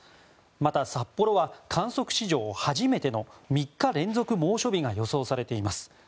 また札幌は観測史上初めての３日連続猛暑日が予想されています。